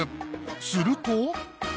すると。